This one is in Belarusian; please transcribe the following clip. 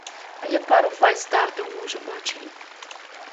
Але пару фальстартаў мы ўжо бачылі.